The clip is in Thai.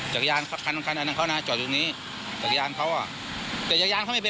จักรยานเขาจอดตรงนี้จักรยานเขาอ่ะแต่จักรยานเขาไม่เป็น